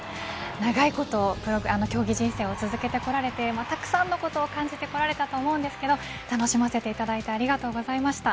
長いこと競技人生を続けてこられてたくさんのことを感じてこられたと思いますが楽しませていただいてありがとうございました。